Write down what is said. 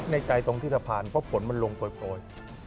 ในใจตรงที่สะพานเพราะฝนมันลงโปรย